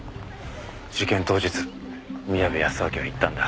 事件当日宮部保昭は言ったんだ。